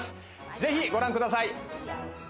ぜひご覧ください！